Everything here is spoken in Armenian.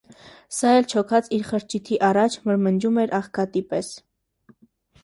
Սա էլ չոքած իր խրճիթի առաջ՝ մրմնջում էր աղքատի պես.